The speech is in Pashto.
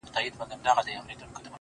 دغه سپينه سپوږمۍ ـ